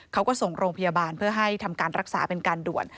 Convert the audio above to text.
เขาก็ส่งโรงพยาบาลเพื่อให้ทำการรักษาเป็นการด่วน